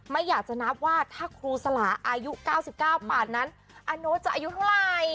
ไม่อยากจะนับว่าถ้าครูสลาอายุ๙๙ปาดนั้นอาโน๊ตจะอายุเท่าไหร่